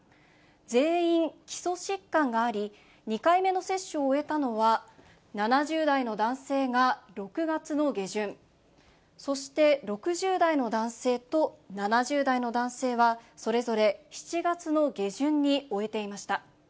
全員基礎疾患があり、２回目の接種を終えたのは、７０代の男性が６月の下旬、そして６０代の男性と７０代の男性はそれぞれ７月の下旬に終えていました。